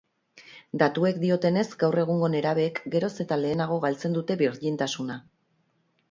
Datuek diotenez, gaur egungo nerabeek geroz eta lehenago galtzen dute birjintasuna.